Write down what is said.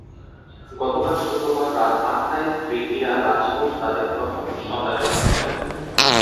গতকাল শুক্রবার রাত আটটায় স্ত্রী মিরা রাজপুত তাঁদের প্রথম সন্তানের জন্ম দেন।